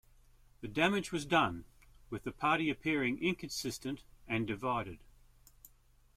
The damage was done, with the party appearing inconsistent and divided.